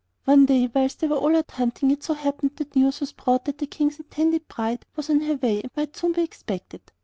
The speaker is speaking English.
One day whilst they were all out hunting it so happened that news was brought that the King's intended bride was on her way and might soon be expected.